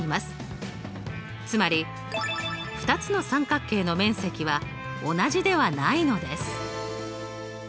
つまり２つの三角形の面積は同じではないのです。